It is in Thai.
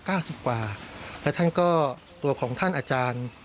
สิบกว่าและท่านก็ตัวของท่านอาจารย์